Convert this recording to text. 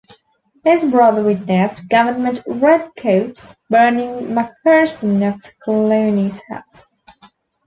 His brother witnessed government "red coats" burning Macpherson of Cluny's house.